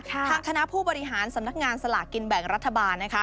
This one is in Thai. ทางคณะผู้บริหารสำนักงานสลากกินแบ่งรัฐบาลนะคะ